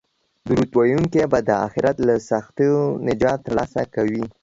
درود ویونکی به د اخرت له سختیو نجات ترلاسه کوي